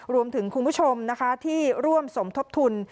รวมถึงคุณผู้ชมที่ร่วมสมทบทุน